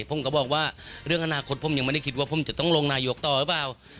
ผมก็บอกว่าเรื่องอนาคตผมยังไม่ได้คิดว่าผมจะต้องลงนายกต่อหรือเปล่า